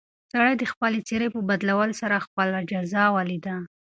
سړي د خپلې څېرې په بدلولو سره خپله جزا ولیده.